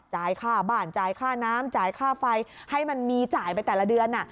จ่ายค่าบ้านจ่ายค่าน้ำจ่ายค่าไฟให้มันมีจ่ายไปแต่ละเดือน